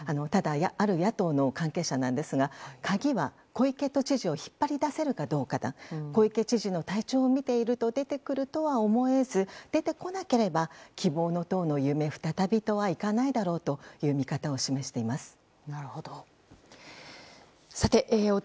ただ、ある野党の関係者なんですが鍵は、小池都知事を引っ張り出せるかどうかだ小池知事の体調を見ていると出てくるとは思えず出てこなければ希望の党の夢再びとはいかないだろうという見方を示しています。